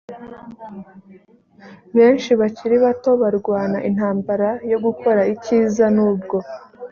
benshi bakiri bato barwana intambara yo gukora icyiza nubwo